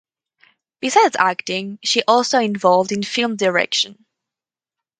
Besides acting she also involved in film direction.